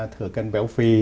thừa cân béo phì